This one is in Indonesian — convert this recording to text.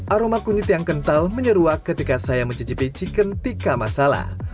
aroma kunyit yang kental menyeruak ketika saya mencicipi chicken tika masala